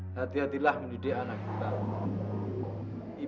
hati hatilah mendidik anak kita